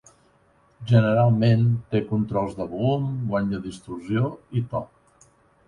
Generalment, té controls de volum, guany de distorsió i to.